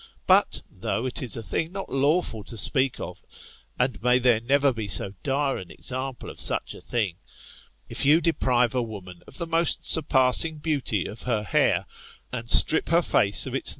But (though it is a thing not lawful to speak of, and may there never be so dire an example of such a thing) if you deprive a woman of the most surpassing beauty of her hair, and strip her face of its i2 tMB BiKtAHiok^Hosts.